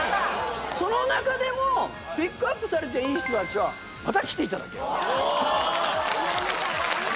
その中でもピックアップされていい人たちはまた来ていただける。